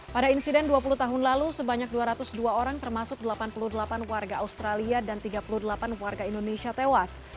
pada insiden dua puluh tahun lalu sebanyak dua ratus dua orang termasuk delapan puluh delapan warga australia dan tiga puluh delapan warga indonesia tewas